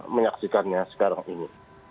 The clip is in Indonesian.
menyaksikannya sekarang ini